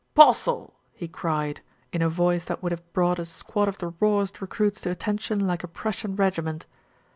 "Postle!" he cried, in a voice that would have brought a squad of the rawest recruits to attention like a Prussian regiment.